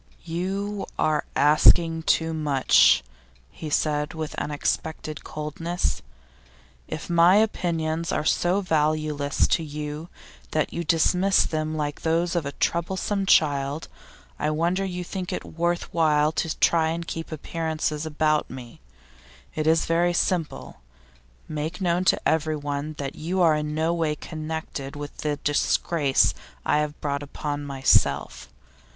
'You are asking too much,' he said, with unexpected coldness. 'If my opinions are so valueless to you that you dismiss them like those of a troublesome child, I wonder you think it worth while to try and keep up appearances about me. It is very simple: make known to everyone that you are in no way connected with the disgrace I have brought upon myself.